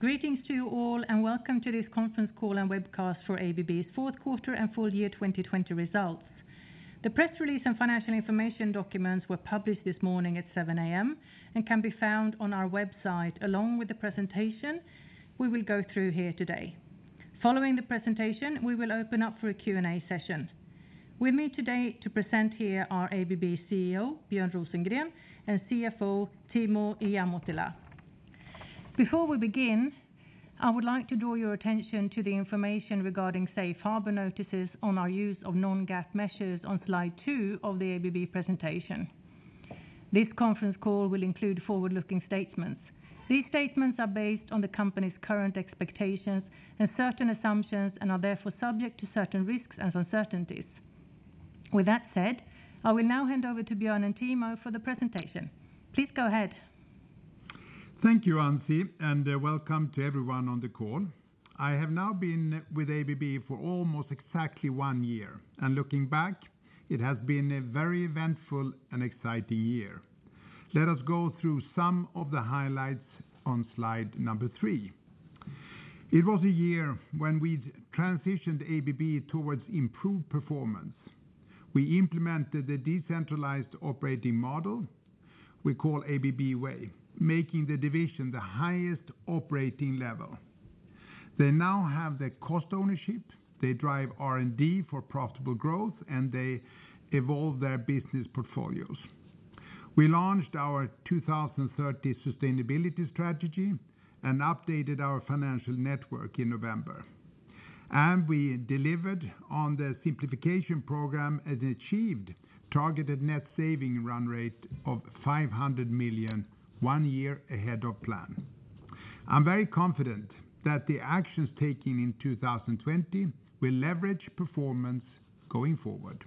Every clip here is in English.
Greetings to you all. Welcome to this conference call and webcast for ABB's fourth quarter and full year 2020 results. The press release and financial information documents were published this morning at 7:00 A.M. and can be found on our website along with the presentation we will go through here today. Following the presentation, we will open up for a Q&A session. With me today to present here are ABB CEO, Björn Rosengren, and CFO, Timo Ihamuotila. Before we begin, I would like to draw your attention to the information regarding safe harbor notices on our use of non-GAAP measures on Slide two of the ABB presentation. This conference call will include forward-looking statements. These statements are based on the company's current expectations and certain assumptions, and are therefore subject to certain risks and uncertainties. With that said, I will now hand over to Björn Rosengren and Timo Ihamuotila for the presentation. Please go ahead. Thank you, Ann-Sofie, and welcome to everyone on the call. I have now been with ABB for almost exactly one year. Looking back, it has been a very eventful and exciting year. Let us go through some of the highlights on slide number three. It was a year when we transitioned ABB towards improved performance. We implemented a decentralized operating model we call ABB Way, making the division the highest operating level. They now have the cost ownership, they drive R&D for profitable growth, and they evolve their business portfolios. We launched our 2030 sustainability strategy and updated our financial framework in November, and we delivered on the Simplification Program and achieved targeted net saving run rate of 500 million, one year ahead of plan. I'm very confident that the actions taken in 2020 will leverage performance going forward.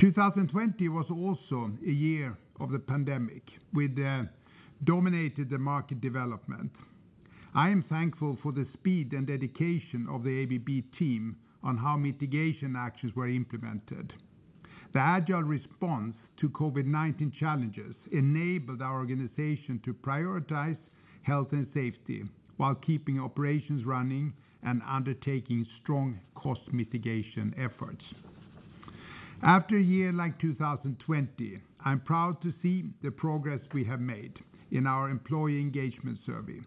2020 was also a year of the pandemic, which dominated the market development. I am thankful for the speed and dedication of the ABB team on how mitigation actions were implemented. The agile response to COVID-19 challenges enabled our organization to prioritize health and safety while keeping operations running and undertaking strong cost mitigation efforts. After a year like 2020, I'm proud to see the progress we have made in our employee engagement survey.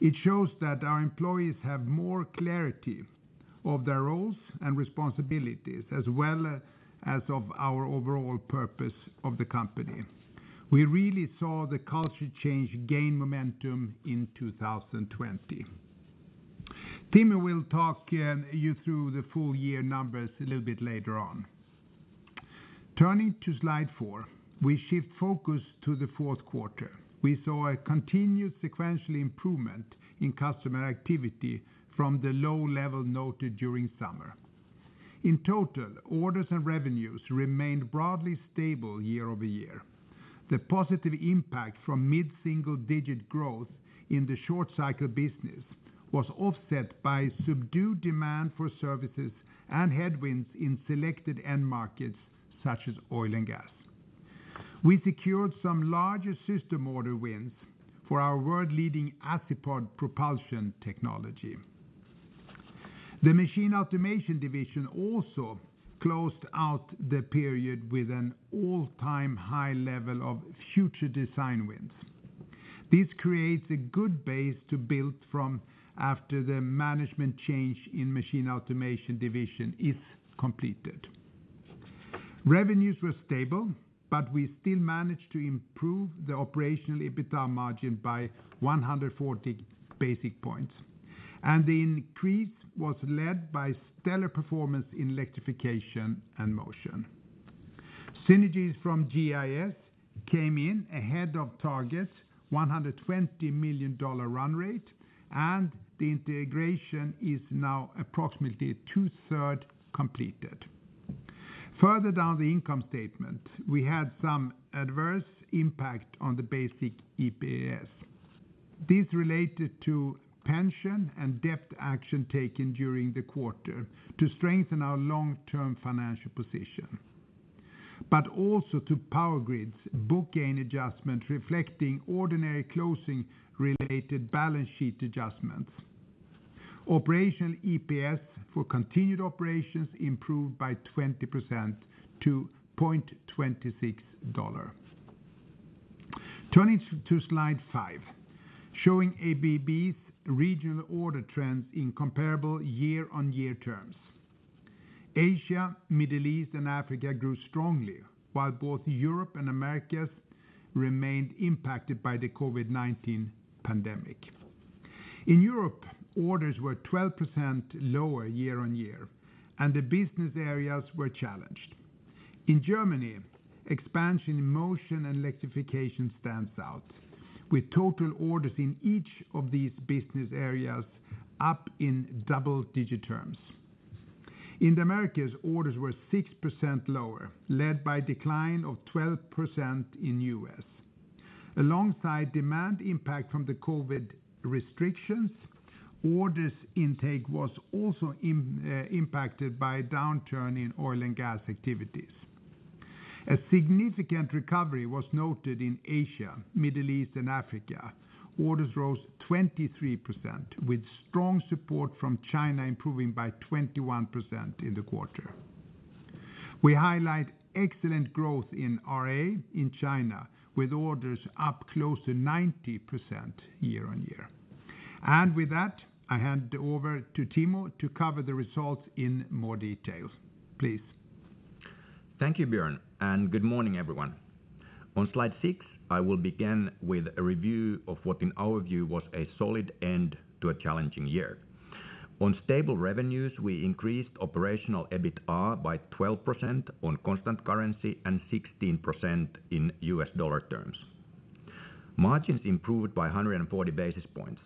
It shows that our employees have more clarity of their roles and responsibilities, as well as of our overall purpose of the company. We really saw the culture change gain momentum in 2020. Timo will talk you through the full year numbers a little bit later on. Turning to Slide four, we shift focus to the fourth quarter. We saw a continued sequential improvement in customer activity from the low level noted during summer. In total, orders and revenues remained broadly stable year-over-year. The positive impact from mid-single digit growth in the short-cycle business was offset by subdued demand for services and headwinds in selected end markets, such as oil and gas. We secured some larger system order wins for our world-leading Azipod® propulsion technology. The Machine Automation division also closed out the period with an all-time high level of future design wins. This creates a good base to build from after the management change in Machine Automation division is completed. Revenues were stable, but we still managed to improve the operational EBITA margin by 140 basis points. The increase was led by stellar performance in Electrification and Motion. Synergies from GEIS came in ahead of targets, $120 million run rate, and the integration is now approximately two-third completed. Further down the income statement, we had some adverse impact on the basic EPS. This related to pension and debt action taken during the quarter to strengthen our long-term financial position, also to Power Grids' book gain adjustment reflecting ordinary closing-related balance sheet adjustments. Operational EPS for continued operations improved by 20% to $0.26. Turning to Slide five, showing ABB's regional order trends in comparable year-on-year terms. Asia, Middle East, and Africa grew strongly, both Europe and Americas remained impacted by the COVID-19 pandemic. In Europe, orders were 12% lower year-on-year, the business areas were challenged. In Germany, expansion in Motion and Electrification stands out, with total orders in each of these business areas up in double-digit terms. In the Americas, orders were 6% lower, led by a decline of 12% in U.S. Alongside demand impact from the COVID restrictions, orders intake was also impacted by a downturn in oil and gas activities. A significant recovery was noted in Asia, Middle East, and Africa. Orders rose 23%, with strong support from China improving by 21% in the quarter. We highlight excellent growth in RA in China, with orders up close to 90% year-on-year. With that, I hand over to Timo to cover the results in more details. Please. Thank you, Björn, and good morning, everyone. On slide six, I will begin with a review of what, in our view, was a solid end to a challenging year. On stable revenues, we increased operational EBITA by 12% on constant currency and 16% in US dollar terms. Margins improved by 140 basis points.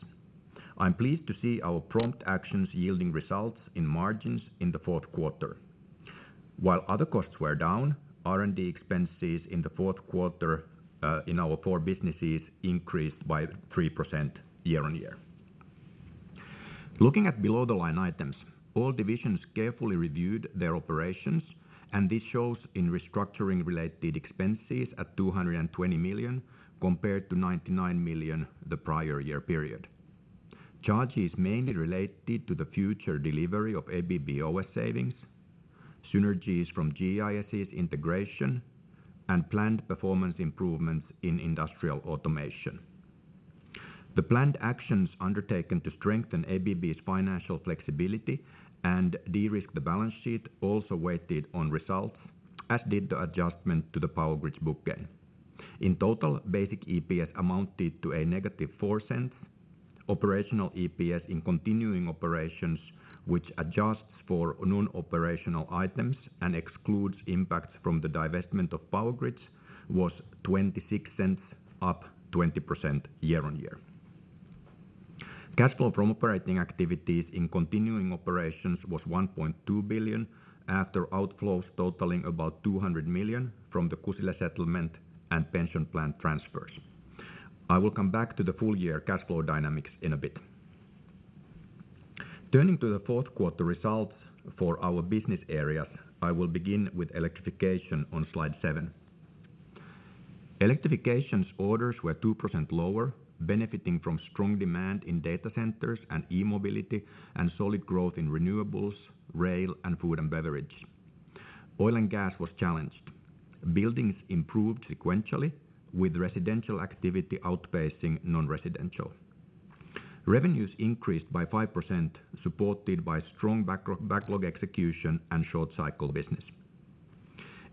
I am pleased to see our prompt actions yielding results in margins in the fourth quarter. While other costs were down, R&D expenses in the fourth quarter in our four businesses increased by 3% year-on-year. Looking at below-the-line items, all divisions carefully reviewed their operations, and this shows in restructuring related expenses at 220 million, compared to 99 million the prior year period. Charges mainly related to the future delivery of ABB-OS savings, synergies from GEIS' integration, and planned performance improvements in Industrial Automation. The planned actions undertaken to strengthen ABB's financial flexibility and de-risk the balance sheet also weighed on results, as did the adjustment to the Power Grids book gain. In total, basic EPS amounted to a -0.04. Operational EPS in continuing operations, which adjusts for non-operational items and excludes impacts from the divestment of Power Grids, was $0.26, up 20% year-on-year. Cash flow from operating activities in continuing operations was 1.2 billion after outflows totaling about $200 million from the Kusile settlement and pension plan transfers. I will come back to the full-year cash flow dynamics in a bit. Turning to the fourth quarter results for our business areas, I will begin with Electrification on slide seven. Electrification's orders were 2% lower, benefiting from strong demand in data centers and e-mobility, and solid growth in renewables, rail, and food and beverage. Oil and gas was challenged. Buildings improved sequentially, with residential activity outpacing non-residential. Revenues increased by 5%, supported by strong backlog execution and short-cycle business.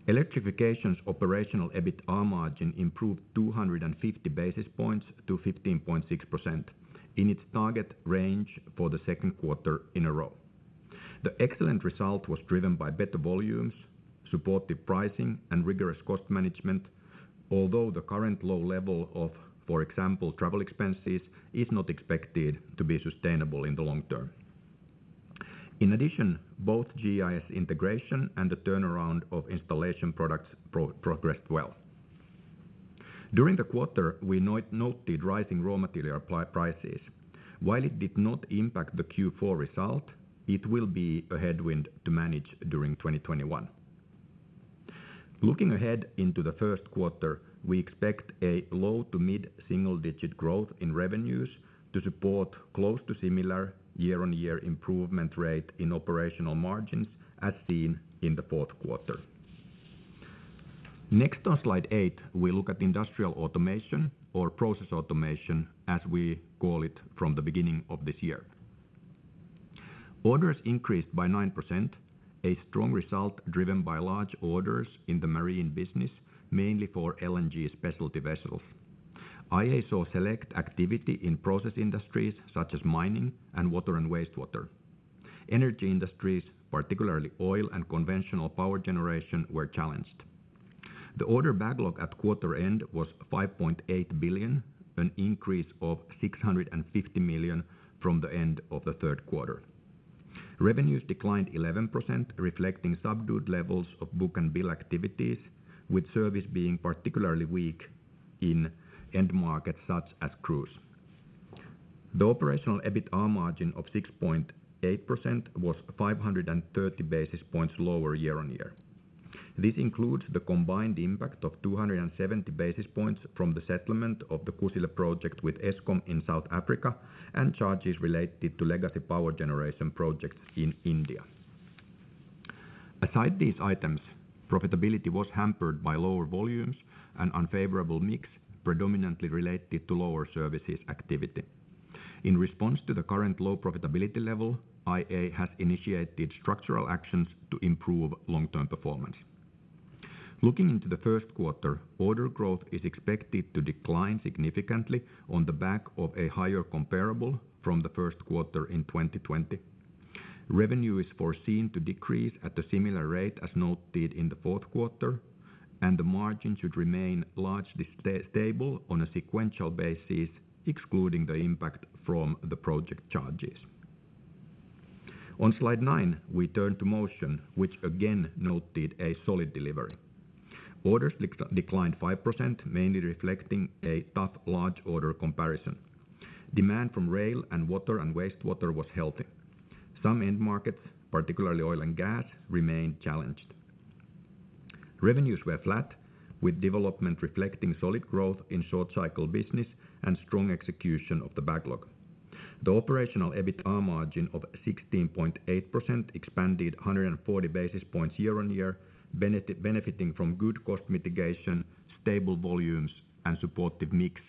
Electrification's operational EBITA margin improved 250 basis points to 15.6% in its target range for the second quarter in a row. The excellent result was driven by better volumes, supportive pricing, and rigorous cost management. The current low level of, for example, travel expenses is not expected to be sustainable in the long term. In addition, both GEIS integration and the turnaround of Installation Products progressed well. During the quarter, we noted rising raw material prices. It did not impact the Q4 result, it will be a headwind to manage during 2021. Looking ahead into the first quarter, we expect a low-to-mid single-digit growth in revenues to support close to similar year-on-year improvement rate in operational margins as seen in the fourth quarter. Next on slide eight, we look at Industrial Automation or Process Automation, as we call it from the beginning of this year. Orders increased by 9%, a strong result driven by large orders in the marine business, mainly for LNG specialty vessels. IA saw select activity in process industries such as mining and water and wastewater. Energy industries, particularly oil and conventional power generation, were challenged. The order backlog at quarter end was 5.8 billion, an increase of 650 million from the end of the third quarter. Revenues declined 11%, reflecting subdued levels of book and bill activities, with service being particularly weak in end markets such as cruise. The operational EBITA margin of 6.8% was 530 basis points lower year-over-year. This includes the combined impact of 270 basis points from the settlement of the Kusile Power Station project with Eskom in South Africa and charges related to legacy power generation projects in India. Aside these items, profitability was hampered by lower volumes and unfavorable mix, predominantly related to lower services activity. In response to the current low profitability level, IA has initiated structural actions to improve long-term performance. Looking into the first quarter, order growth is expected to decline significantly on the back of a higher comparable from the first quarter in 2020. Revenue is foreseen to decrease at a similar rate as noted in the fourth quarter, and the margin should remain largely stable on a sequential basis, excluding the impact from the project charges. On slide nine, we turn to Motion, which again noted a solid delivery. Orders declined 5%, mainly reflecting a tough large order comparison. Demand from rail and water and wastewater was healthy. Some end markets, particularly oil and gas, remain challenged. Revenues were flat with development reflecting solid growth in short cycle business and strong execution of the backlog. The operational EBITA margin of 16.8% expanded 140 basis points year-on-year, benefiting from good cost mitigation, stable volumes and supportive mix,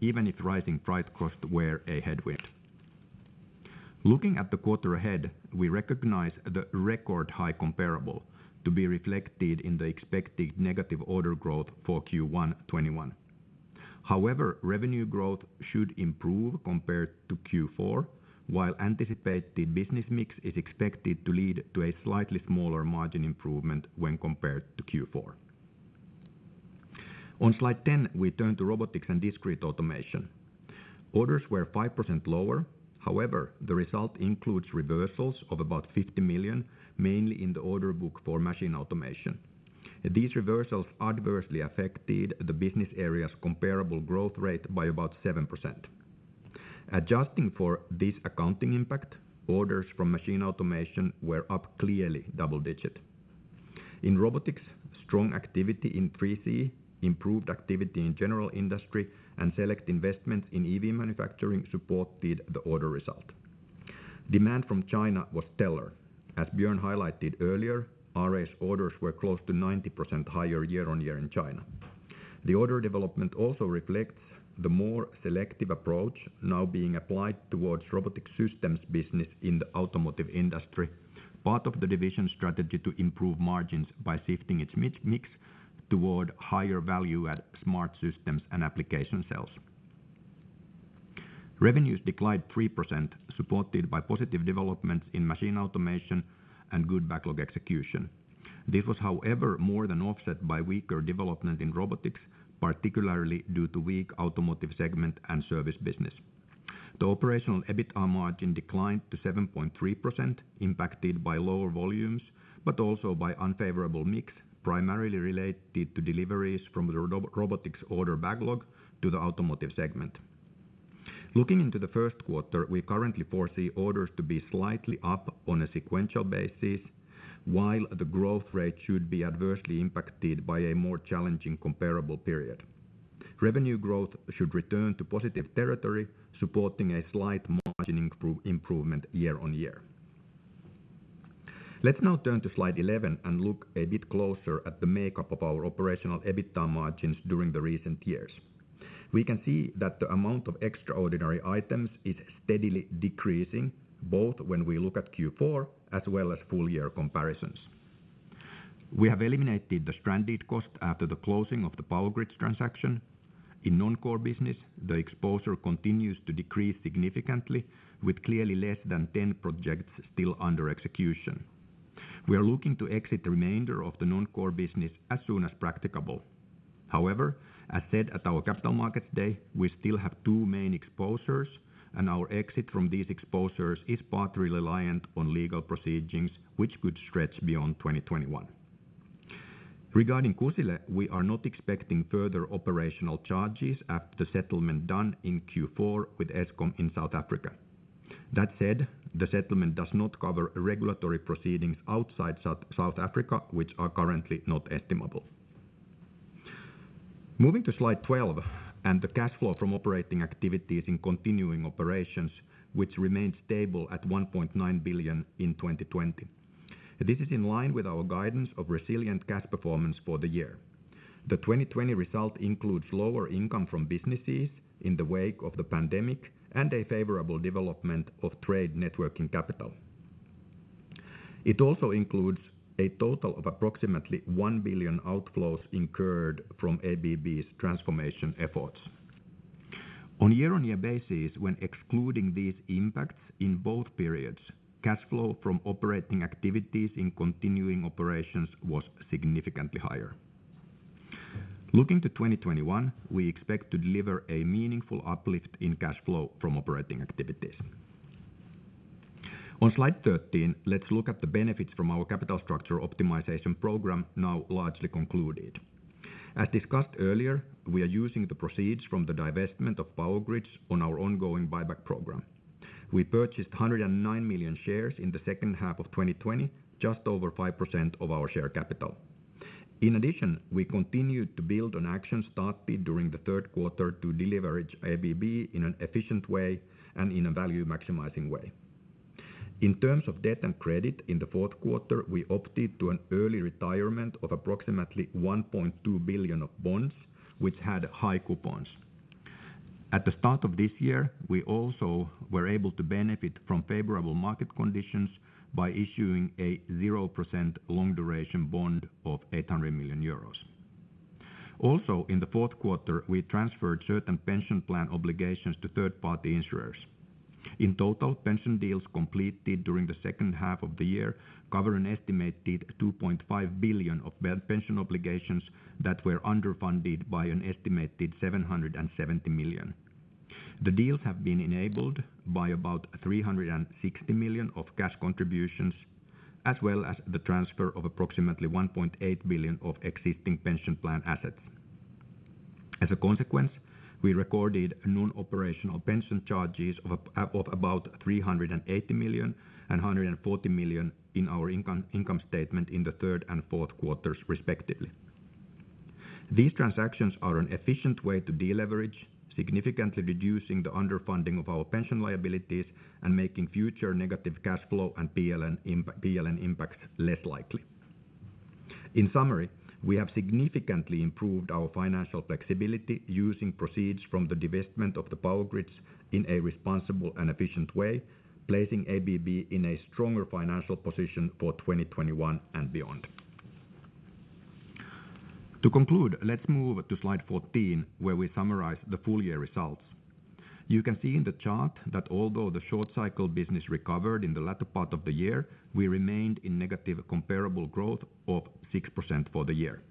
even if rising price cost were a headwind. Looking at the quarter ahead, we recognize the record high comparable to be reflected in the expected negative order growth for Q1 2021. Revenue growth should improve compared to Q4, while anticipated business mix is expected to lead to a slightly smaller margin improvement when compared to Q4. On slide 10, we turn to Robotics & Discrete Automation. Orders were 5% lower. The result includes reversals of about 50 million, mainly in the order book for Machine Automation. These reversals adversely affected the business area's comparable growth rate by about 7%. Adjusting for this accounting impact, orders from Machine Automation were up clearly double digit. In Robotics, strong activity in 3C, improved activity in general industry, and select investments in EV manufacturing supported the order result. Demand from China was stellar. As Björn highlighted earlier, RA's orders were close to 90% higher year-over-year in China. The order development also reflects the more selective approach now being applied towards Robotic systems business in the automotive industry, part of the division strategy to improve margins by shifting its mix toward higher value at smart systems and application sales. Revenues declined 3%, supported by positive developments in Machine Automation and good backlog execution. This was, however, more than offset by weaker development in Robotics, particularly due to weak automotive segment and service business. The operational EBITA margin declined to 7.3%, impacted by lower volumes, but also by unfavorable mix, primarily related to deliveries from the Robotics order backlog to the automotive segment. Looking into the first quarter, we currently foresee orders to be slightly up on a sequential basis while the growth rate should be adversely impacted by a more challenging comparable period. Revenue growth should return to positive territory, supporting a slight margin improvement year-on-year. Let's now turn to slide 11 and look a bit closer at the makeup of our operational EBITA margins during the recent years. We can see that the amount of extraordinary items is steadily decreasing, both when we look at Q4 as well as full year comparisons. We have eliminated the stranded cost after the closing of the Power Grids transaction. In non-core business, the exposure continues to decrease significantly with clearly less than 10 projects still under execution. We are looking to exit the remainder of the non-core business as soon as practicable. However, as said at our Capital Markets Day, we still have two main exposures, and our exit from these exposures is partly reliant on legal proceedings, which could stretch beyond 2021. Regarding Kusile, we are not expecting further operational charges after settlement done in Q4 with Eskom in South Africa. That said, the settlement does not cover regulatory proceedings outside South Africa, which are currently not estimable. Moving to slide 12 and the cash flow from operating activities in continuing operations, which remained stable at 1.9 billion in 2020. This is in line with our guidance of resilient cash performance for the year. The 2020 result includes lower income from businesses in the wake of the pandemic and a favorable development of trade working capital. It also includes a total of approximately 1 billion outflows incurred from ABB's transformation efforts. On a year-over-year basis, when excluding these impacts in both periods, cash flow from operating activities in continuing operations was significantly higher. Looking to 2021, we expect to deliver a meaningful uplift in cash flow from operating activities. On slide 13, let's look at the benefits from our capital structure optimization program now largely concluded. As discussed earlier, we are using the proceeds from the divestment of Power Grids on our ongoing buyback program. We purchased 109 million shares in the second half of 2020, just over 5% of our share capital. In addition, we continued to build on action started during the third quarter to deleverage ABB in an efficient way and in a value-maximizing way. In terms of debt and credit in the fourth quarter, we opted to an early retirement of approximately $1.2 billion of bonds, which had high coupons. At the start of this year, we also were able to benefit from favorable market conditions by issuing a 0% long duration bond of 800 million euros. In the fourth quarter, we transferred certain pension plan obligations to third party insurers. In total, pension deals completed during the second half of the year cover an estimated 2.5 billion of pension obligations that were underfunded by an estimated 770 million. The deals have been enabled by about 360 million of cash contributions, as well as the transfer of approximately 1.8 billion of existing pension plan assets. As a consequence, we recorded non-operational pension charges of about 380 million and 140 million in our income statement in the third and fourth quarters, respectively. These transactions are an efficient way to deleverage, significantly reducing the underfunding of our pension liabilities and making future negative cash flow and P&L impacts less likely. In summary, we have significantly improved our financial flexibility using proceeds from the divestment of the Power Grids in a responsible and efficient way, placing ABB in a stronger financial position for 2021 and beyond. To conclude, let's move to slide 14, where we summarize the full-year results. You can see in the chart that although the short-cycle business recovered in the latter part of the year, we remained in negative comparable growth of 6% for the year.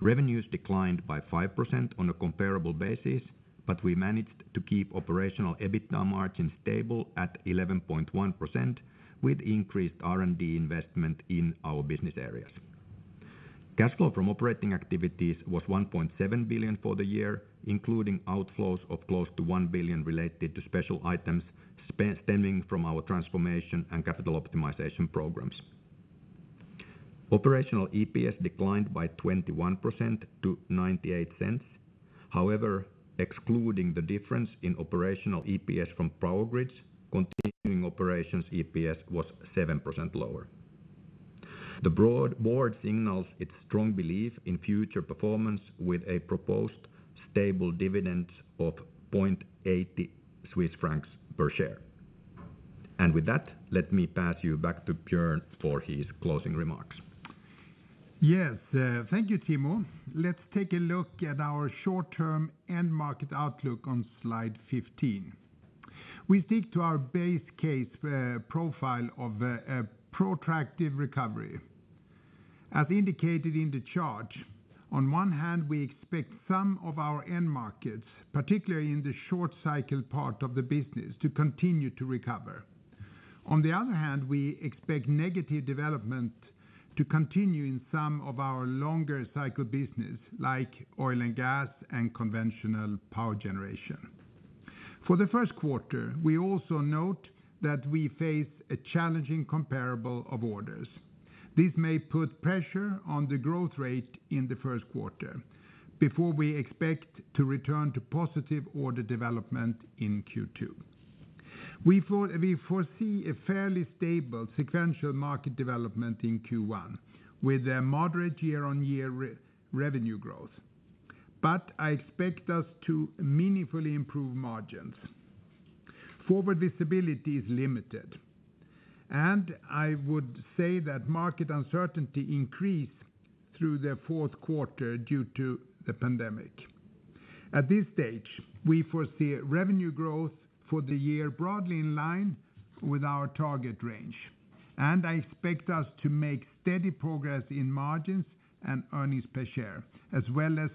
Revenues declined by 5% on a comparable basis, but we managed to keep operational EBITA margin stable at 11.1% with increased R&D investment in our business areas. Cash flow from operating activities was 1.7 billion for the year, including outflows of close to 1 billion related to special items stemming from our transformation and capital optimization programs. Operational EPS declined by 21% to 0.98. However, excluding the difference in operational EPS from Power Grids, continuing operations EPS was 7% lower. The board signals its strong belief in future performance with a proposed stable dividend of 0.80 Swiss francs per share. With that, let me pass you back to Björn for his closing remarks. Yes. Thank you, Timo. Let's take a look at our short-term end market outlook on slide 15. We stick to our base case profile of a protractive recovery. As indicated in the chart, on one hand, we expect some of our end markets, particularly in the short-cycle part of the business, to continue to recover. On the other hand, we expect negative development to continue in some of our longer-cycle business, like oil and gas and conventional power generation. For the first quarter, we also note that we face a challenging comparable of orders. This may put pressure on the growth rate in the first quarter before we expect to return to positive order development in Q2. We foresee a fairly stable sequential market development in Q1 with a moderate year-on-year revenue growth, I expect us to meaningfully improve margins. Forward visibility is limited, and I would say that market uncertainty increased through the fourth quarter due to the pandemic. At this stage, we foresee revenue growth for the year broadly in line with our target range, and I expect us to make steady progress in margins and earnings per share, as well as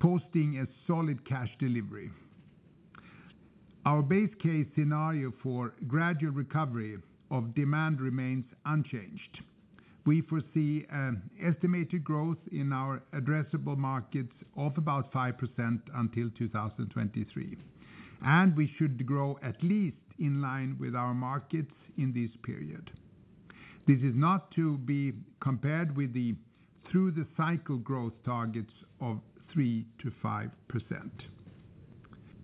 posting a solid cash delivery. Our base case scenario for gradual recovery of demand remains unchanged. We foresee an estimated growth in our addressable markets of about 5% until 2023, and we should grow at least in line with our markets in this period. This is not to be compared with the through the cycle growth targets of 3%-5%.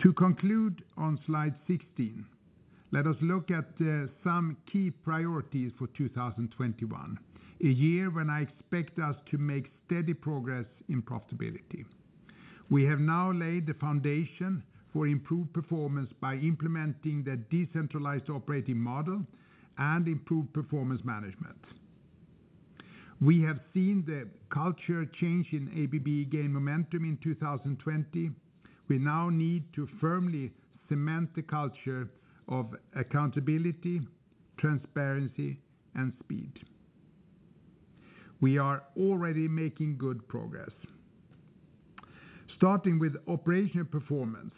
To conclude on slide 16, let us look at some key priorities for 2021, a year when I expect us to make steady progress in profitability. We have now laid the foundation for improved performance by implementing the decentralized operating model and improved performance management. We have seen the culture change in ABB gain momentum in 2020. We now need to firmly cement the culture of accountability, transparency, and speed. We are already making good progress. Starting with operational performance,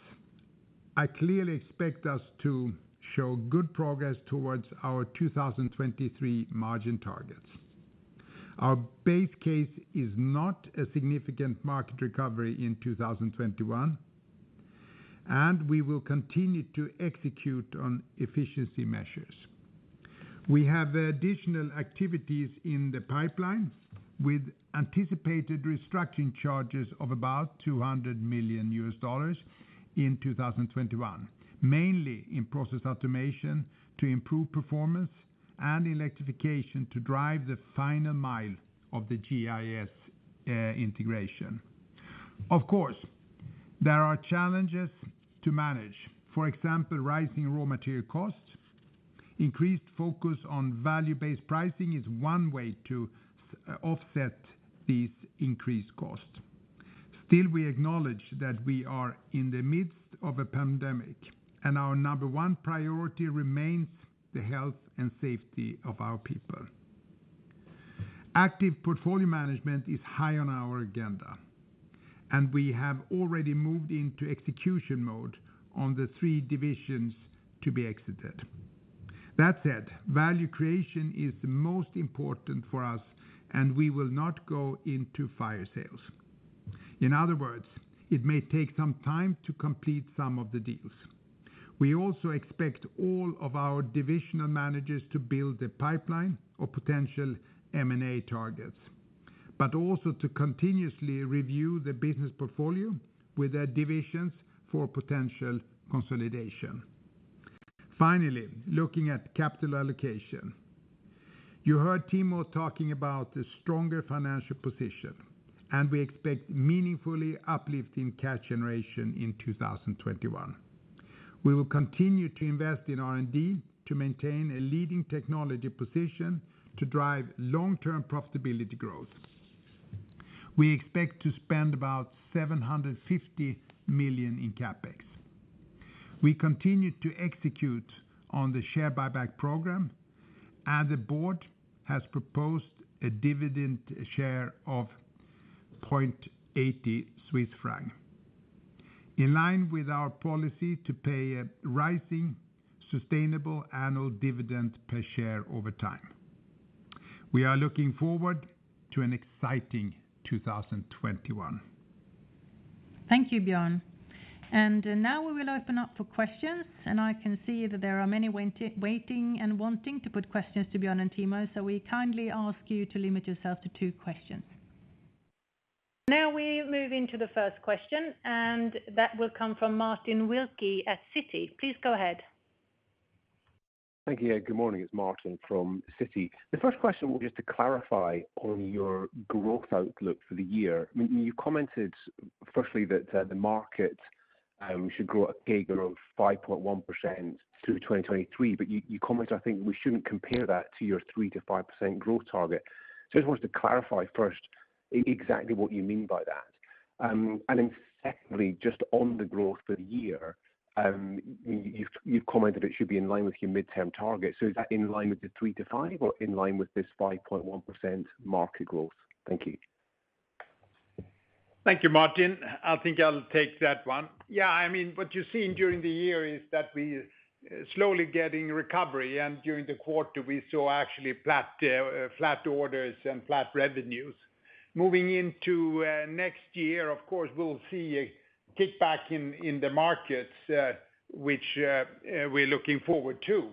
I clearly expect us to show good progress towards our 2023 margin targets. Our base case is not a significant market recovery in 2021, and we will continue to execute on efficiency measures. We have additional activities in the pipeline with anticipated restructuring charges of about $200 million in 2021, mainly in Process Automation to improve performance and Electrification to drive the final mile of the GEIS integration. Of course, there are challenges to manage. For example, rising raw material costs. Increased focus on value-based pricing is one way to offset these increased costs. Still, we acknowledge that we are in the midst of a pandemic, and our number one priority remains the health and safety of our people. Active portfolio management is high on our agenda, and we have already moved into execution mode on the three divisions to be exited. That said, value creation is the most important for us, and we will not go into fire sales. In other words, it may take some time to complete some of the deals. We also expect all of our divisional managers to build the pipeline of potential M&A targets, but also to continuously review the business portfolio with their divisions for potential consolidation. Finally, looking at capital allocation. You heard Timo talking about the stronger financial position, and we expect meaningfully uplifting cash generation in 2021. We will continue to invest in R&D to maintain a leading technology position to drive long-term profitability growth. We expect to spend about 750 million in CapEx. We continue to execute on the share buyback program, and the board has proposed a dividend share of 0.80 Swiss franc, in line with our policy to pay a rising, sustainable annual dividend per share over time. We are looking forward to an exciting 2021. Thank you, Björn. Now we will open up for questions, and I can see that there are many waiting and wanting to put questions to Björn and Timo, so we kindly ask you to limit yourself to two questions. Now we move into the first question, and that will come from Martin Wilkie at Citi. Please go ahead. Thank you. Good morning. It's Martin from Citi. The first question was just to clarify on your growth outlook for the year. You commented, firstly, that the market should grow at a CAGR of 5.1% through 2023, but you commented, I think, we shouldn't compare that to your 3%-5% growth target. I just wanted to clarify first exactly what you mean by that. Secondly, just on the growth for the year, you've commented it should be in line with your midterm target. Is that in line with the 3%-5% or in line with this 5.1% market growth? Thank you. Thank you, Martin. I think I'll take that one. Yeah, what you're seeing during the year is that we're slowly getting recovery, and during the quarter, we saw actually flat orders and flat revenues. Moving into next year, of course, we'll see a kickback in the markets, which we're looking forward to.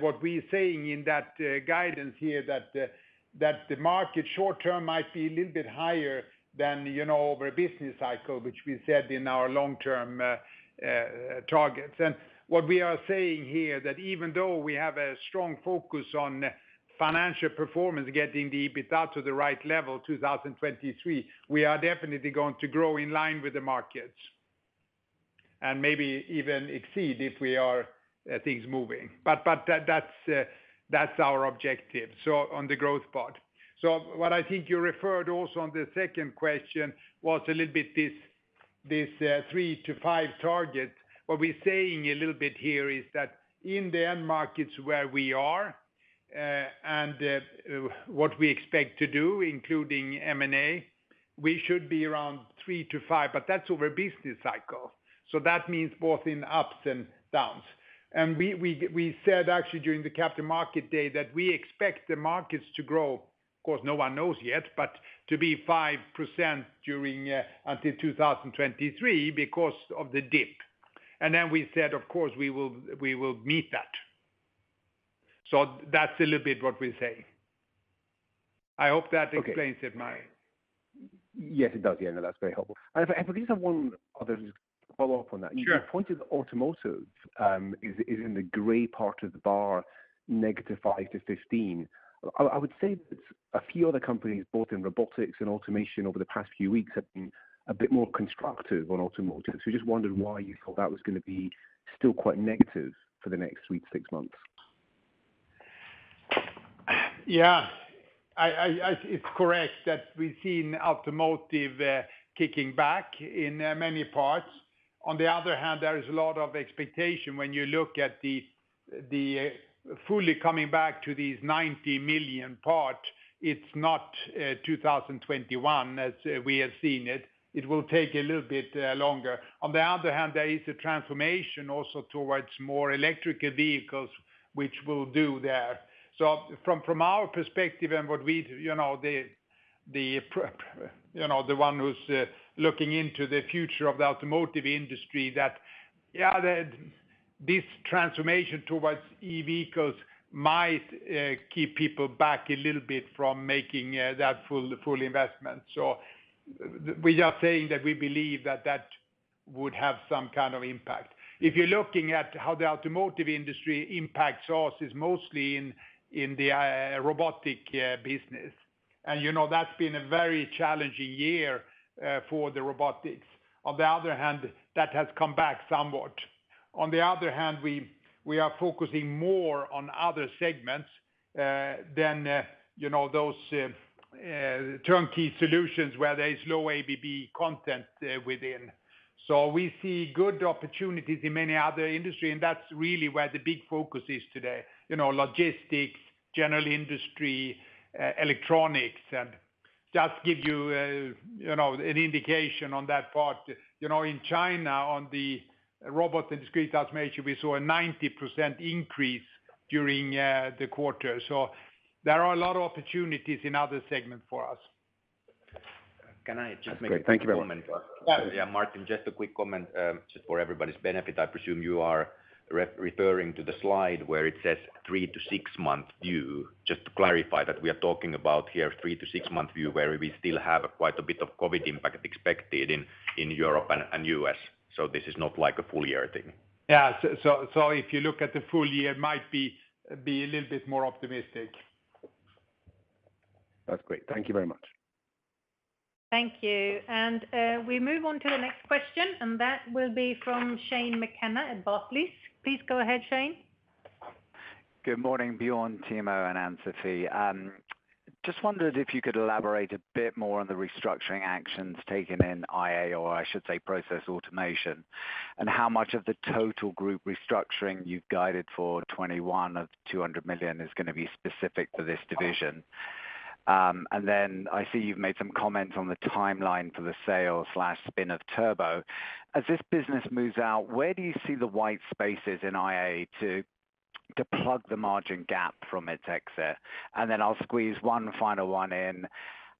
What we're saying in that guidance here that the market short-term might be a little bit higher than over a business cycle, which we said in our long-term targets. What we are saying here that even though we have a strong focus on financial performance, getting the EBITA to the right level, 2023, we are definitely going to grow in line with the markets. Maybe even exceed if we are things moving. That's our objective on the growth part. What I think you referred also on the second question was a little bit this 3%-5% target. What we're saying a little bit here is that in the end markets where we are, and what we expect to do, including M&A, we should be around 3%-5%, but that's over a business cycle. That means both in ups and downs. We said actually during the Capital Markets Day that we expect the markets to grow, of course, no one knows yet, but to be 5% until 2023 because of the dip. Then we said, of course, we will meet that. That's a little bit what we say. I hope that explains it, Martin. Yes, it does. Yeah, no, that's very helpful. If I can just have one other just follow-up on that. Sure. You pointed automotive is in the gray part of the bar, -5% to 15%. I would say that a few other companies, both in Robotics & Discrete Automation over the past few weeks, have been a bit more constructive on automotive. Just wondered why you thought that was going to be still quite negative for the next six months. It's correct that we've seen automotive kicking back in many parts. There is a lot of expectation when you look at the fully coming back to these 90 million part, it's not 2021 as we have seen it. It will take a little bit longer. There is a transformation also towards more electric vehicles which will do there. From our perspective and the one who's looking into the future of the automotive industry, that this transformation towards EV vehicles might keep people back a little bit from making that full investment. We are saying that we believe that that would have some kind of impact. If you're looking at how the automotive industry impacts us is mostly in the Robotic business. That's been a very challenging year for the Robotics. On the other hand, that has come back somewhat. On the other hand, we are focusing more on other segments than those turnkey solutions where there is low ABB content within. We see good opportunities in many other industries, and that's really where the big focus is today. Logistics, general industry, electronics. Just give you an indication on that part. In China, on the Robotics & Discrete Automation, we saw a 90% increase during the quarter. There are a lot of opportunities in other segments for us. Can I just make a quick comment? That's great. Thank you very much. Yeah. Martin, just a quick comment, just for everybody's benefit. I presume you are referring to the slide where it says three to six-month view. Just to clarify that we are talking about here three to six-month view, where we still have quite a bit of COVID impact expected in Europe and U.S. This is not like a full-year thing. Yeah. If you look at the full year, might be a little bit more optimistic. That's great. Thank you very much. Thank you. We move on to the next question, and that will be from Shane McKenna at Barclays. Please go ahead, Shane. Good morning, Björn, Timo, and Ann-Sofie. Just wondered if you could elaborate a bit more on the restructuring actions taken in IA, or I should say Process Automation, and how much of the total group restructuring you've guided for 2021 of 200 million is going to be specific for this division. I see you've made some comments on the timeline for the sale/spin of Turbocharging. As this business moves out, where do you see the white spaces in IA to plug the margin gap from its exit? I'll squeeze one final one in.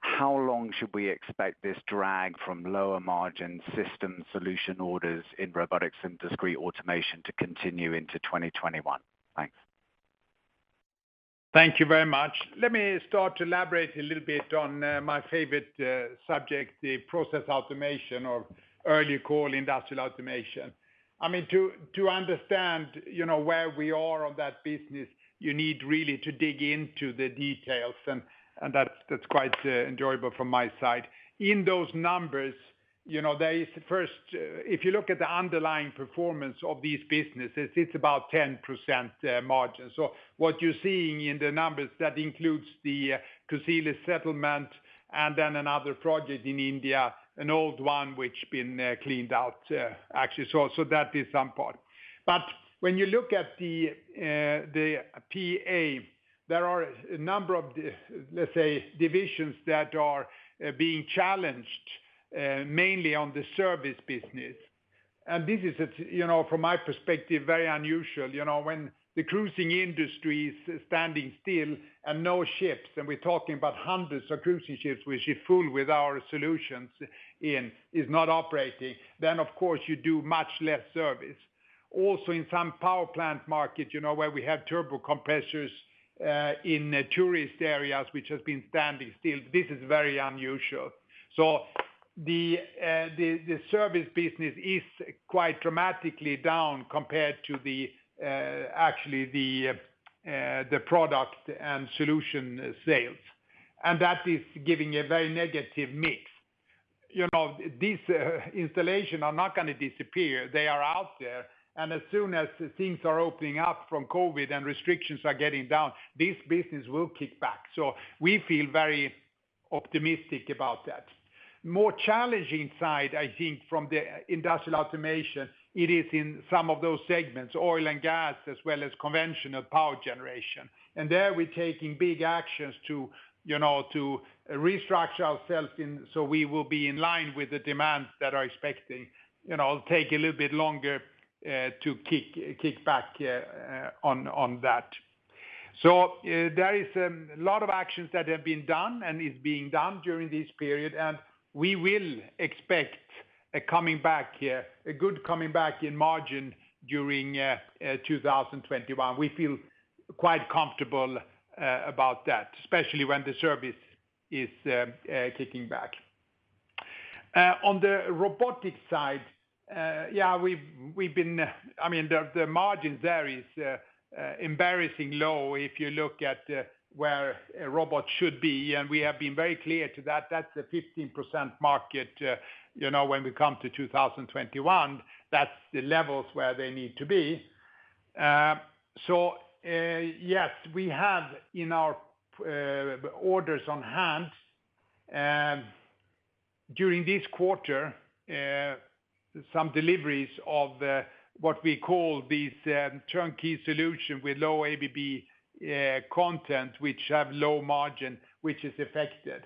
How long should we expect this drag from lower margin system solution orders in Robotics & Discrete Automation to continue into 2021? Thanks. Thank you very much. Let me start to elaborate a little bit on my favorite subject, the Process Automation, or earlier called Industrial Automation. To understand where we are on that business, you need really to dig into the details, that's quite enjoyable from my side. In those numbers, first, if you look at the underlying performance of these businesses, it's about 10% margin. What you're seeing in the numbers, that includes the Kusile settlement, and then another project in India, an old one which been cleaned out, actually. When you look at the PA, there are a number of, let's say, divisions that are being challenged, mainly on the service business. This is, from my perspective, very unusual. When the cruising industry is standing still and no ships, and we're talking about hundreds of cruising ships which are full with our solutions in, is not operating, then of course you do much less service. Also, in some power plant market, where we have turbo compressors in tourist areas which has been standing still, this is very unusual. The service business is quite dramatically down compared to actually the product and solution sales. That is giving a very negative mix. These installation are not going to disappear. They are out there, and as soon as things are opening up from COVID and restrictions are getting down, this business will kick back. We feel very optimistic about that. More challenging side, I think from the Industrial Automation, it is in some of those segments, oil and gas, as well as conventional power generation. There we're taking big actions to restructure ourselves so we will be in line with the demands that are expecting. It'll take a little bit longer to kick back on that. There is a lot of actions that have been done and is being done during this period, and we will expect a good coming back in margin during 2021. We feel quite comfortable about that, especially when the service is kicking back. On the Robotics side, the margins there is embarrassingly low if you look at where robots should be, and we have been very clear to that. That's a 15% market when we come to 2021. That's the levels where they need to be. Yes, we have in our orders on hand, during this quarter, some deliveries of what we call these turnkey solution with low ABB content, which have low margin, which is affected.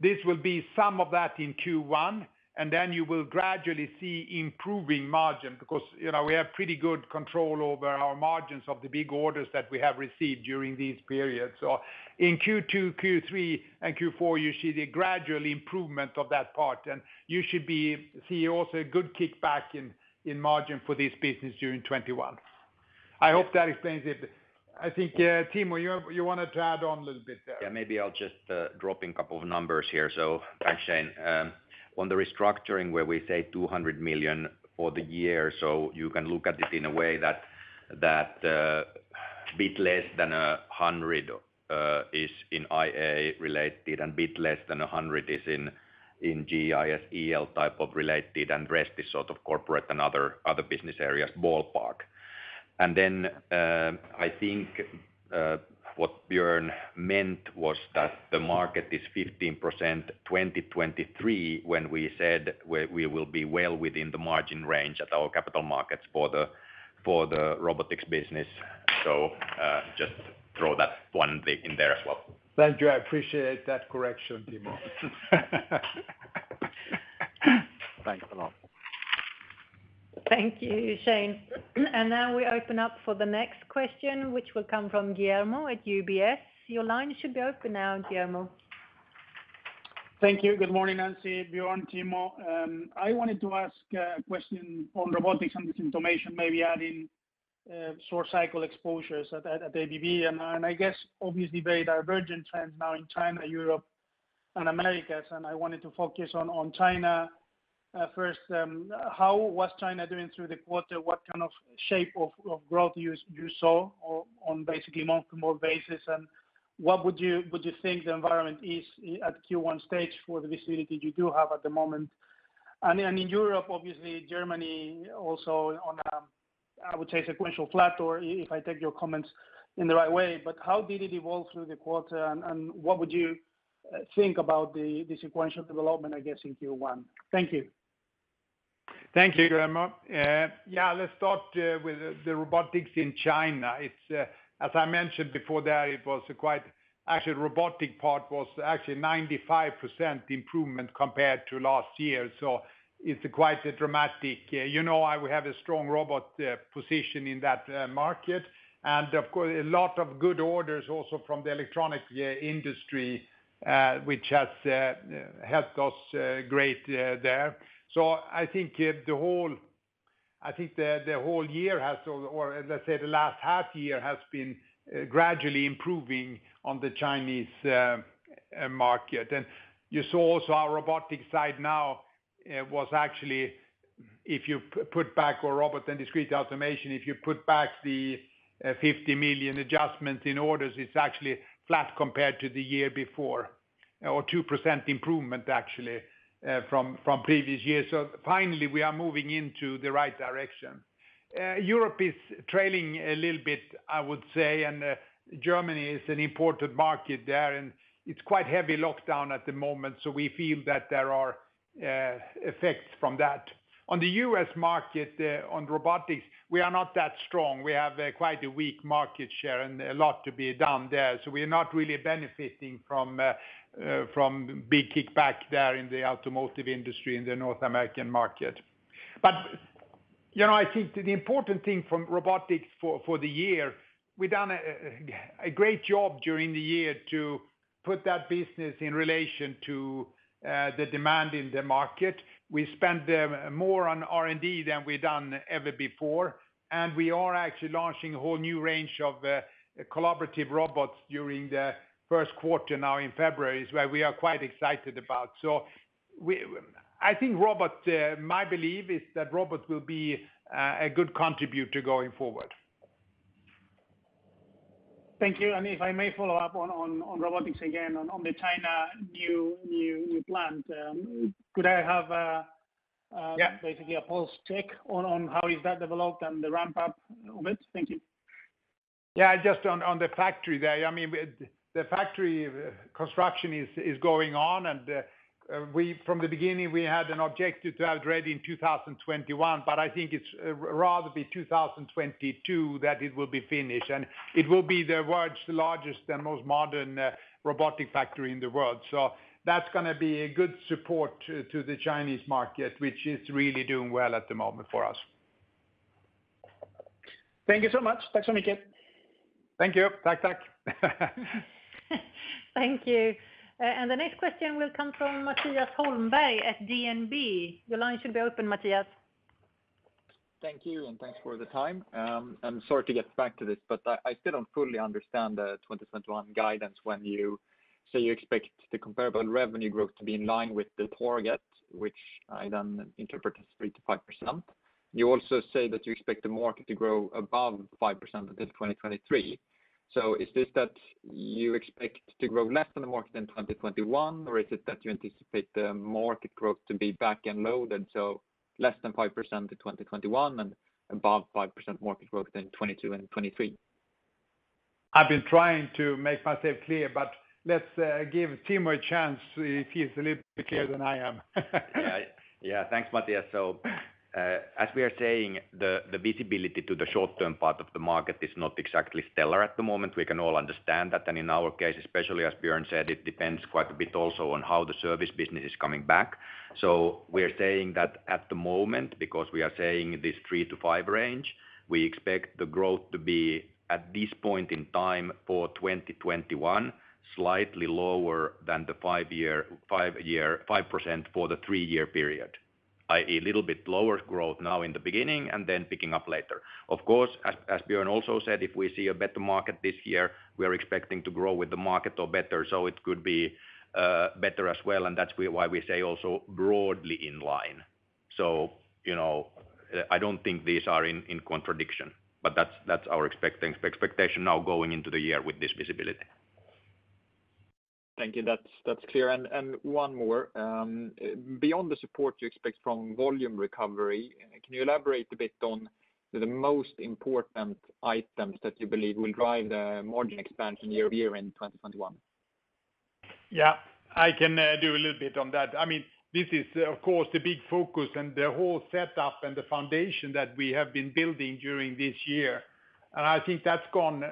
This will be some of that in Q1, and then you will gradually see improving margin because we have pretty good control over our margins of the big orders that we have received during this period. In Q2, Q3, and Q4, you see the gradual improvement of that part, and you should see also a good kickback in margin for this business during 2021. I hope that explains it. I think, Timo, you wanted to add on a little bit there. Yeah, maybe I'll just drop in a couple of numbers here. Thanks, Shane. On the restructuring, where we say 200 million for the year, you can look at it in a way that a bit less than 100 million is in IA-related, bit less than 100 million is in GEIS-type of related, the rest is sort of corporate and other business areas ballpark. I think what Björn meant was that the margin is 15% 2023 when we said we will be well within the margin range at our Capital Markets Day for the Robotics business. Just throw that one bit in there as well. Thank you. I appreciate that correction, Timo. Thanks a lot. Thank you, Shane. Now we open up for the next question, which will come from Guillermo at UBS. Your line should be open now, Guillermo. Thank you. Good morning, Ann-Sofie, Björn, Timo. I wanted to ask a question on Robotics & Discrete Automation, maybe adding short cycle exposures at ABB. I guess obviously very divergent trends now in China, Europe, and Americas. I wanted to focus on China first. How was China doing through the quarter? What kind of shape of growth you saw on basically month-over-month basis? What would you think the environment is at Q1 stage for the visibility you do have at the moment? In Europe, obviously Germany also on a, I would say sequential flat or if I take your comments in the right way. How did it evolve through the quarter? What would you think about the sequential development, I guess, in Q1? Thank you. Thank you, Guillermo. Let's start with the Robotics in China. As I mentioned before that the Robotic part was actually 95% improvement compared to last year, so it's quite dramatic. You know, we have a strong robot position in that market, and a lot of good orders also from the electronic industry, which has helped us great there. I think the whole year has, or let's say the last half year, has been gradually improving on the Chinese market. You saw also our Robotic side now was actually, if you put back our Robotics & Discrete Automation, if you put back the 50 million adjustments in orders, it's actually flat compared to the year before, or 2% improvement actually from previous years. Finally, we are moving into the right direction. Europe is trailing a little bit, I would say. Germany is an important market there, and it's quite heavy lockdown at the moment. We feel that there are effects from that. On the U.S. market on Robotics, we are not that strong. We have quite a weak market share and a lot to be done there. We are not really benefiting from big kickback there in the automotive industry in the North American market. I think the important thing from Robotics for the year, we've done a great job during the year to put that business in relation to the demand in the market. We spent more on R&D than we've done ever before. We are actually launching a whole new range of collaborative robots during the first quarter now in February, where we are quite excited about. I think my belief is that robots will be a good contributor going forward. Thank you. If I may follow up on Robotics again, on the China new plant. Yeah Basically a pulse check on how is that developed and the ramp-up of it? Thank you. Just on the factory there. The factory construction is going on, and from the beginning we had an objective to have it ready in 2021, but I think it's rather be 2022 that it will be finished, and it will be the world's largest and most modern Robotic factory in the world. That's going to be a good support to the Chinese market, which is really doing well at the moment for us. Thank you so much. Thank you. Thank you. The next question will come from Mattias Holmberg at DNB Carnegie. Your line should be open, Mattias. Thank you. Thanks for the time. I'm sorry to get back to this, but I still don't fully understand the 2021 guidance when you say you expect the comparable revenue growth to be in line with the target, which I then interpret as 3%-5%. You also say that you expect the market to grow above 5% until 2023. Is this that you expect to grow less than the market in 2021, or is it that you anticipate the market growth to be back-end loaded, and so less than 5% to 2021 and above 5% market growth in 2022 and 2023? I've been trying to make myself clear, but let's give Timo a chance. He's a little bit clearer than I am. Yeah. Thanks, Mattias. As we are saying, the visibility to the short-term part of the market is not exactly stellar at the moment. We can all understand that. In our case, especially as Björn said, it depends quite a bit also on how the service business is coming back. We are saying that at the moment, because we are saying this 3%-5% range, we expect the growth to be at this point in time for 2021, slightly lower than the 5% for the three-year period, i.e. a little bit lower growth now in the beginning and then picking up later. Of course, as Björn also said, if we see a better market this year, we are expecting to grow with the market or better, it could be better as well, that's why we say also broadly in line. I don't think these are in contradiction, but that's our expectation now going into the year with this visibility. Thank you. That's clear. One more. Beyond the support you expect from volume recovery, can you elaborate a bit on the most important items that you believe will drive the margin expansion year-over-year in 2021? Yeah, I can do a little bit on that. This is, of course, the big focus and the whole setup and the foundation that we have been building during this year. I think that's gone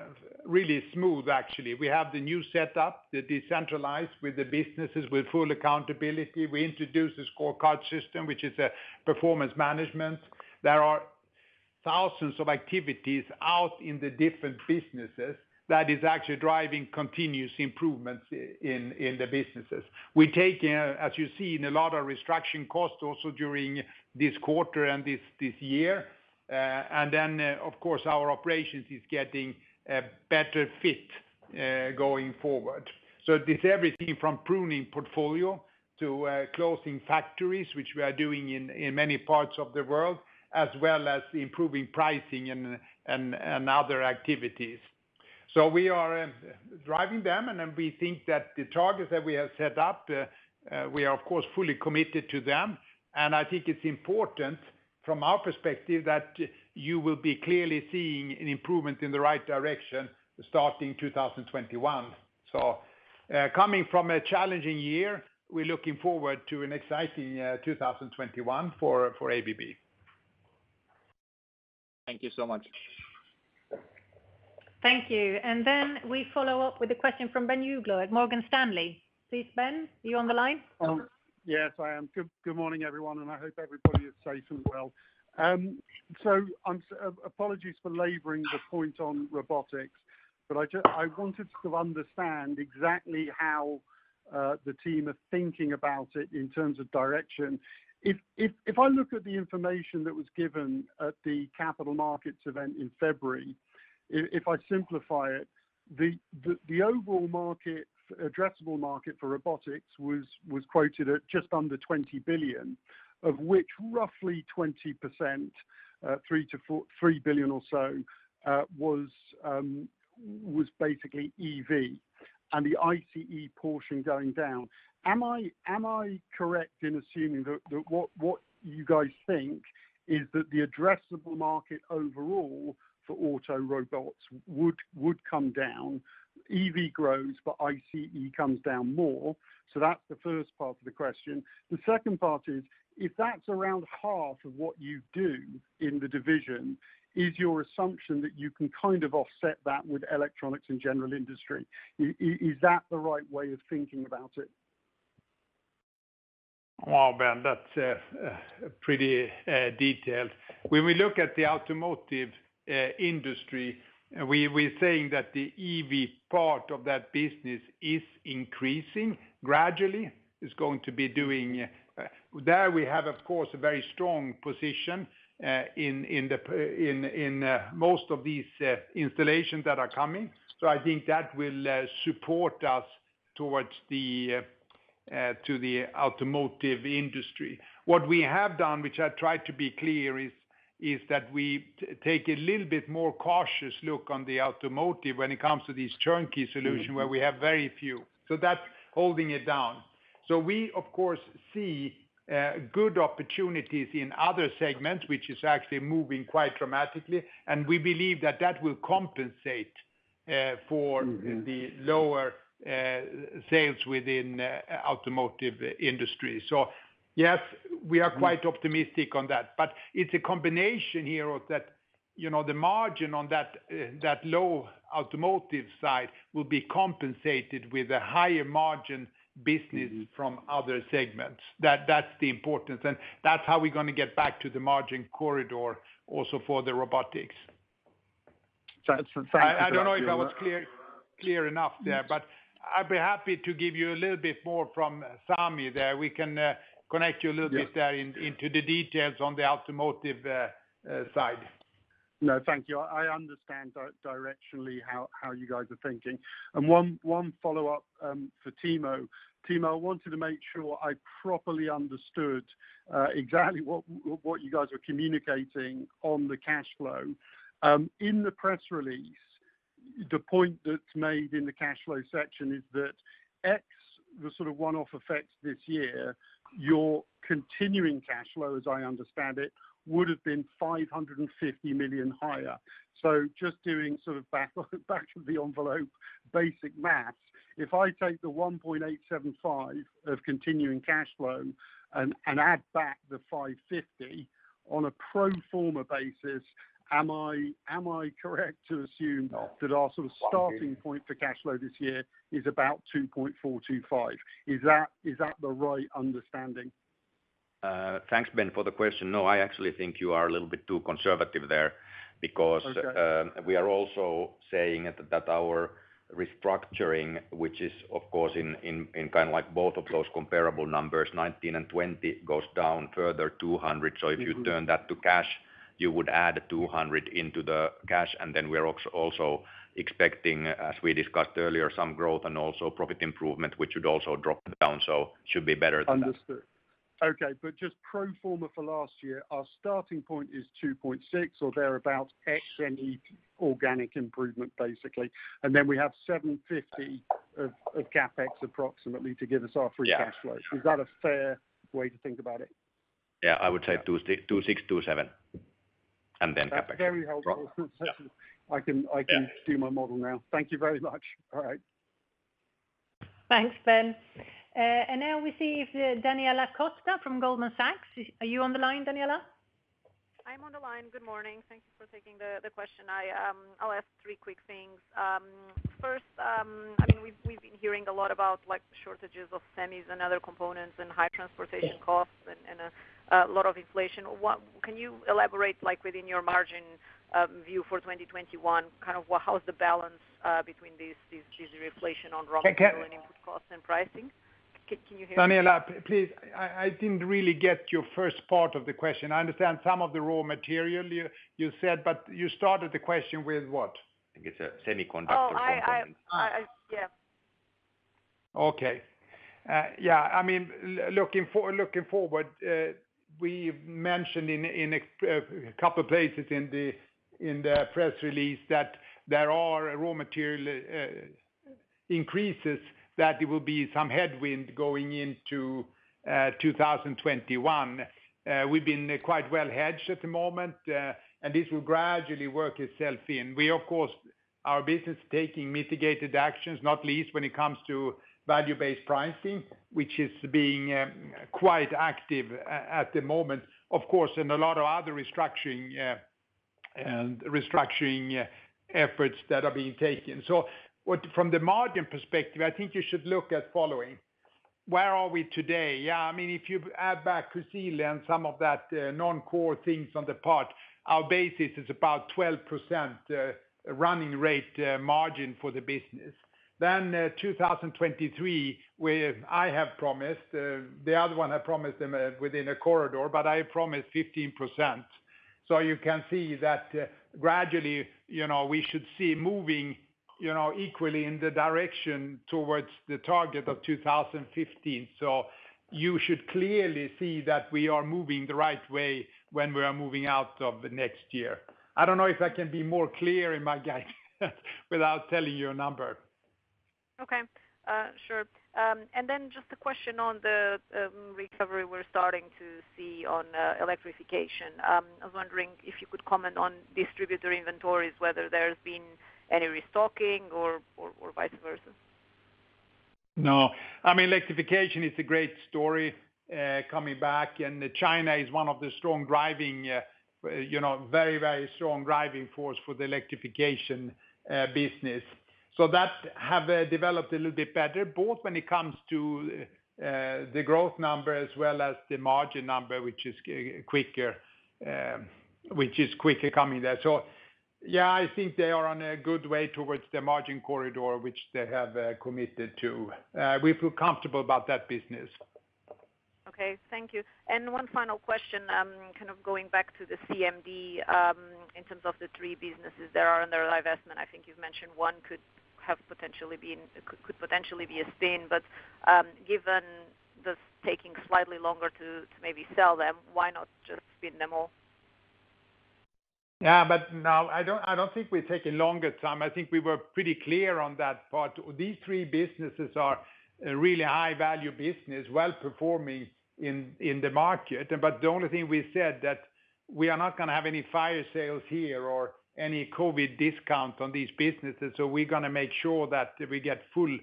really smooth, actually. We have the new setup, the decentralized with the businesses with full accountability. We introduced a scorecard system, which is a performance management. There are thousands of activities out in the different businesses that is actually driving continuous improvements in the businesses. We're taking, as you see, in a lot of restructuring costs also during this quarter and this year. Then, of course, our operations is getting a better fit going forward. It is everything from pruning portfolio to closing factories, which we are doing in many parts of the world, as well as improving pricing and other activities. We are driving them, we think that the targets that we have set up, we are, of course, fully committed to them. I think it's important from our perspective that you will be clearly seeing an improvement in the right direction starting 2021. Coming from a challenging year, we're looking forward to an exciting 2021 for ABB. Thank you so much. Thank you. We follow up with a question from Ben Uglow at Morgan Stanley. Please, Ben, are you on the line? Yes, I am. Good morning, everyone, and I hope everybody is safe and well. Apologies for laboring the point on Robotics, but I wanted to understand exactly how the team are thinking about it in terms of direction. If I look at the information that was given at the Capital Markets event in February, if I simplify it, the overall addressable market for Robotics was quoted at just under $20 billion, of which roughly 20%, $3 billion or so, was basically EV and the ICE portion going down. Am I correct in assuming that what you guys think is that the addressable market overall for auto robots would come down, EV grows, but ICE comes down more? That's the first part of the question. The second part is, if that's around half of what you do in the division, is your assumption that you can kind of offset that with electronics in general industry? Is that the right way of thinking about it? Well, Ben, that's pretty detailed. When we look at the automotive industry, we're saying that the EV part of that business is increasing gradually. There we have, of course, a very strong position in most of these installations that are coming. I think that will support us towards the automotive industry. What we have done, which I tried to be clear, is that we take a little bit more cautious look on the automotive when it comes to these turnkey solutions, where we have very few. That's holding it down. We, of course, see good opportunities in other segments, which is actually moving quite dramatically, and we believe that that will compensate for the lower sales within automotive industry. Yes, we are quite optimistic on that. It's a combination here of that, the margin on that low automotive side will be compensated with a higher margin business from other segments. That's the importance, and that's how we're going to get back to the margin corridor also for the Robotics. Thanks for that. I don't know if I was clear enough there, but I'd be happy to give you a little bit more from Sami Atiya there. We can connect you a little bit there into the details on the automotive side. No, thank you. I understand directionally how you guys are thinking. One follow-up for Timo. Timo, I wanted to make sure I properly understood exactly what you guys are communicating on the cash flow. In the press release, the point that's made in the cash flow section is that X, the sort of one-off effects this year, your continuing cash flow, as I understand it, would have been 550 million higher. Just doing sort of back of the envelope basic math, if I take the 1.875 billion of continuing cash flow and add back the 550 million, on a pro forma basis, am I correct to assume that our sort of starting point for cash flow this year is about 2.425 billion? Is that the right understanding? Thanks, Ben, for the question. No, I actually think you are a little bit too conservative there, because. Okay We are also saying that our restructuring, which is, of course, in kind of like both of those comparable numbers, 2019 and 2020, goes down further 200 million. If you turn that to cash, you would add 200 million into the cash. We're also expecting, as we discussed earlier, some growth and also profit improvement, which would also drop down. Should be better than that. Understood. Okay. Just pro forma for last year, our starting point is 2.6 billion or thereabout, ex any organic improvement, basically. Then we have 750 million of CapEx approximately to give us our free cash flow. Yeah. Is that a fair way to think about it? Yeah, I would say 2.6 billion, 2.7 billion Back again. That's very helpful. Yeah. I can do my model now. Thank you very much. All right. Thanks, Ben. Now we see if Daniela Costa from Goldman Sachs. Are you on the line, Daniela? I'm on the line. Good morning. Thank you for taking the question. I'll ask three quick things. First, we've been hearing a lot about shortages of semis and other components and high transportation costs and a lot of inflation. Can you elaborate within your margin view for 2021, how's the balance between these issues of inflation on raw material and input costs and pricing? Can you hear me? Daniela, please, I didn't really get your first part of the question. I understand some of the raw material you said, but you started the question with what? I think it's a semiconductor component. Oh, yeah. Looking forward, we've mentioned in a couple of places in the press release that there are raw material increases, that there will be some headwind going into 2021. We've been quite well hedged at the moment, and this will gradually work itself in. We, of course, our business is taking mitigated actions, not least when it comes to value-based pricing, which is being quite active at the moment, of course, and a lot of other restructuring efforts that are being taken. From the margin perspective, I think you should look at following. Where are we today? If you add back Kusile and some of that non-core things on the part, our basis is about 12% running rate margin for the business. 2023, where I have promised, the other one had promised them within a corridor, but I promised 15%. You can see that gradually, we should see moving equally in the direction towards the target of(2015). You should clearly see that we are moving the right way when we are moving out of next year. I don't know if I can be more clear in my guidance without telling you a number. Okay. Sure. Just a question on the recovery we're starting to see on Electrification. I was wondering if you could comment on distributor inventories, whether there's been any restocking or vice versa. Electrification is a great story coming back. China is one of the very strong driving force for the Electrification business. That have developed a little bit better, both when it comes to the growth number as well as the margin number, which is quickly coming there. Yeah, I think they are on a good way towards the margin corridor, which they have committed to. We feel comfortable about that business. Okay. Thank you. One final question, kind of going back to the CMD, in terms of the three businesses there are under divestment. I think you've mentioned one could potentially be a spin, but given this taking slightly longer to maybe sell them, why not just spin them all? I don't think we're taking longer time. I think we were pretty clear on that part. These three businesses are really high-value business, well-performing in the market. The only thing we said that we are not going to have any fire sales here or any COVID discount on these businesses, we're going to make sure that we get full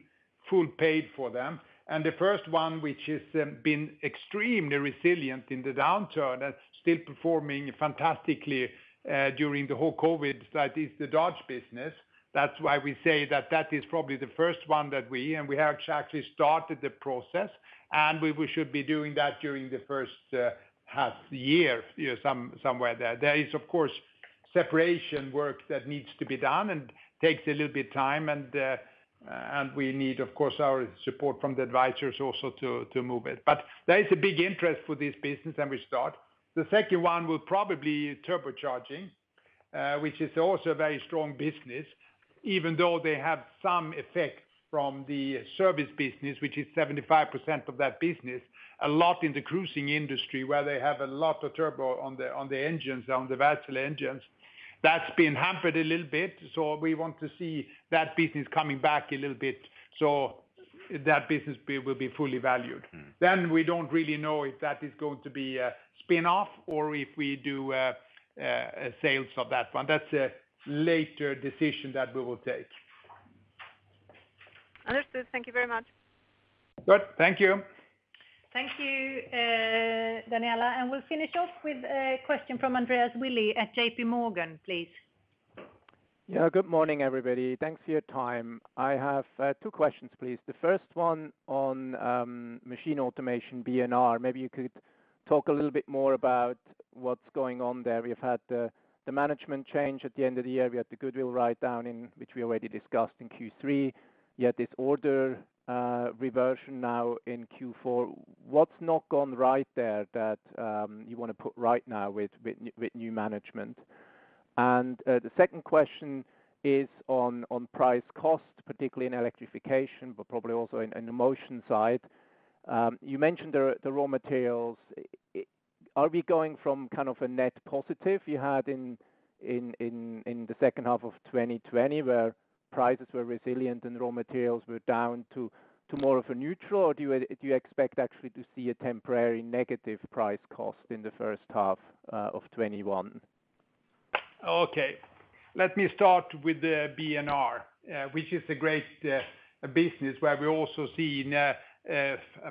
paid for them. The first one, which has been extremely resilient in the downturn, that is still performing fantastically during the whole COVID, that is the Dodge Mechanical Power Transmission business. That is why we say that that is probably the first one that we have actually started the process, we should be doing that during the first half year, somewhere there. There is, of course, separation work that needs to be done and takes a little bit of time. We need, of course, our support from the advisors also to move it. There is a big interest for this business. We start. The second one will probably Turbocharging, which is also a very strong business, even though they have some effect from the service business, which is 75% of that business, a lot in the cruising industry, where they have a lot of turbo on the Wärtsilä engines. That's been hampered a little bit. We want to see that business coming back a little bit. That business will be fully valued. We don't really know if that is going to be a spin-off or if we do a sales for that one. That's a later decision that we will take. Understood. Thank you very much. Good. Thank you. Thank you, Daniela. We'll finish off with a question from Andreas Willi at JPMorgan, please. Yeah, good morning, everybody. Thanks for your time. I have two questions, please. The first one on Machine Automation, B&R. Maybe you could talk a little bit more about what's going on there. We've had the management change at the end of the year. We had the goodwill write-down which we already discussed in Q3, yet this order reversion now in Q4. What's not gone right there that you want to put right now with new management? The second question is on price cost, particularly in Electrification, but probably also in the Motion side. You mentioned the raw materials. Are we going from kind of a net positive you had in the second half of 2020, where prices were resilient and raw materials were down to more of a neutral, or do you expect actually to see a temporary negative price cost in the first half of 2021? Okay. Let me start with the B&R, which is a great business where we're also seeing a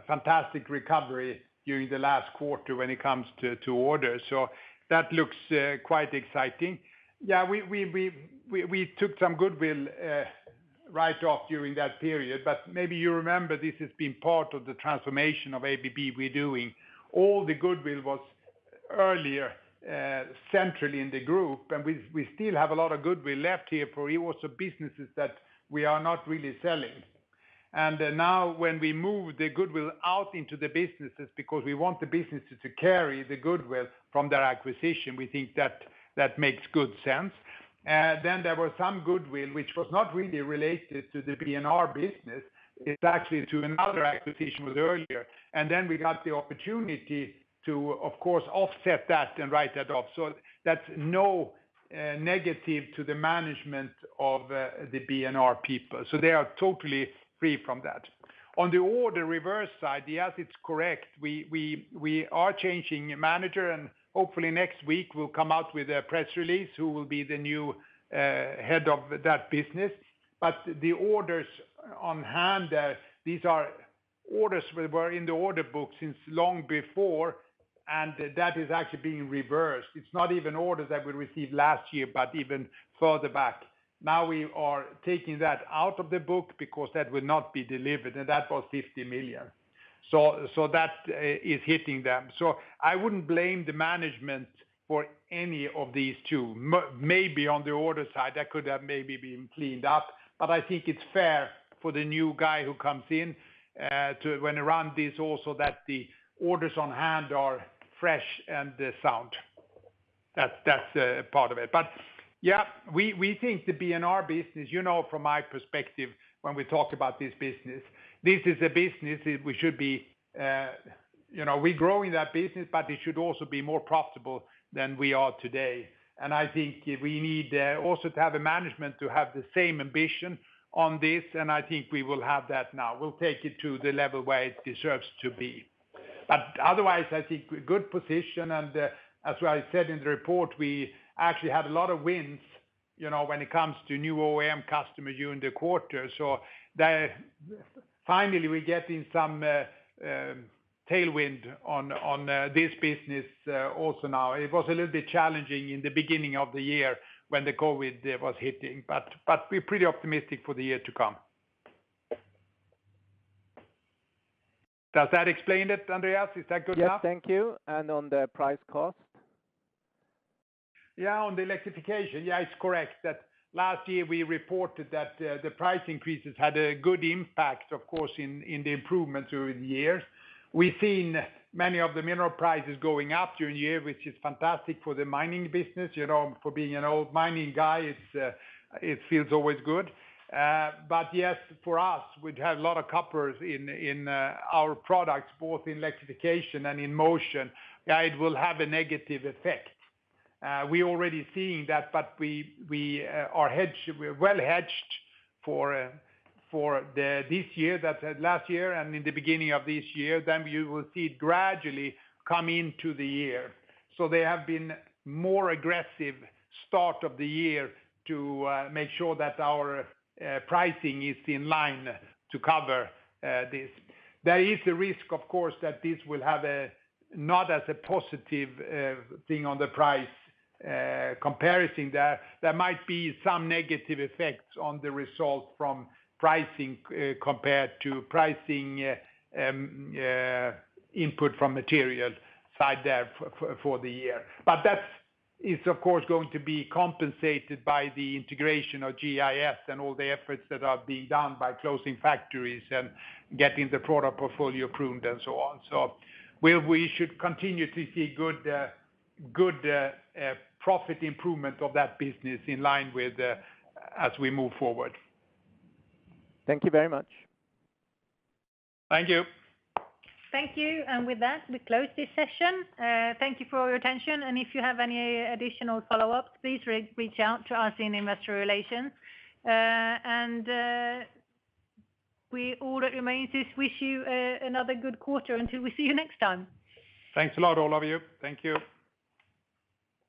fantastic recovery during the last quarter when it comes to orders. That looks quite exciting. We took some goodwill write-off during that period. Maybe you remember this has been part of the transformation of ABB we're doing. All the goodwill was earlier centrally in the group. We still have a lot of goodwill left here for (these) businesses that we are not really selling. Now when we move the goodwill out into the businesses, because we want the businesses to carry the goodwill from their acquisition, we think that makes good sense. There was some goodwill, which was not really related to the B&R business, it's actually to another acquisition with earlier. We got the opportunity to, of course, offset that and write that off. That's no negative to the management of the B&R people. They are totally free from that. On the order reverse side, yes, it's correct. We are changing manager, and hopefully next week we'll come out with a press release who will be the new head of that business. The orders on hand, these are orders were in the order book since long before, and that is actually being reversed. It's not even orders that we received last year, but even further back. Now we are taking that out of the book because that will not be delivered, and that was $50 million. That is hitting them. I wouldn't blame the management for any of these two. Maybe on the order side, that could have maybe been cleaned up. I think it's fair for the new guy who comes in to run around this also that the orders on hand are fresh and sound. That's a part of it. Yeah, we think the B&R business, you know from my perspective when we talk about this business, we're growing that business, but it should also be more profitable than we are today. I think we need also to have a management to have the same ambition on this, and I think we will have that now. We'll take it to the level where it deserves to be. Otherwise, I think good position, and as I said in the report, we actually had a lot of wins when it comes to new OEM customer during the quarter. Finally, we're getting some tailwind on this business also now. It was a little bit challenging in the beginning of the year when the COVID was hitting. We're pretty optimistic for the year to come. Does that explain it, Andreas? Is that good enough? Yes, thank you. On the price cost? Yeah. On the Electrification. Yeah, it's correct that last year we reported that the price increases had a good impact, of course, in the improvements over the years. We've seen many of the mineral prices going up during the year, which is fantastic for the mining business. For being an old mining guy, it feels always good. Yes, for us, we'd have a lot of coppers in our products, both in Electrification and in Motion. It will have a negative effect. We already seeing that, but we're well hedged for this year, that's last year, and in the beginning of this year. You will see it gradually come into the year. They have been more aggressive start of the year to make sure that our pricing is in line to cover this. There is a risk, of course, that this will have a not as a positive thing on the price comparison there. There might be some negative effects on the result from pricing compared to pricing input from material side there for the year. That is, of course, going to be compensated by the integration of GEIS and all the efforts that are being done by closing factories and getting the product portfolio pruned and so on. We should continue to see good profit improvement of that business in line with as we move forward. Thank you very much. Thank you. Thank you. With that, we close this session. Thank you for your attention, and if you have any additional follow-ups, please reach out to us in Investor Relations. All that remains is wish you another good quarter until we see you next time. Thanks a lot, all of you. Thank you.